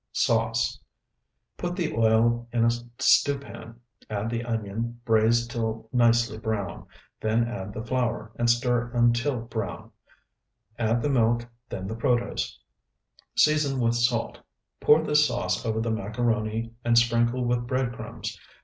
SAUCE Put the oil in a stew pan, add the onion, braize till nicely browned, then add the flour, and stir until brown. Add the milk, then the protose. Season with salt. Pour this sauce over the macaroni and sprinkle with bread crumbs.